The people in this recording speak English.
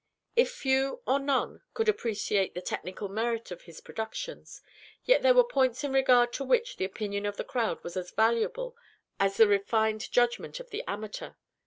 If few or none could appreciate the technical merit of his productions, yet there were points in regard to which the opinion of the crowd was as valuable as the refined judgment of the amateur.